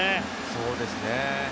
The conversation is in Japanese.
そうですね。